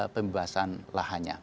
pembebasan lahan ini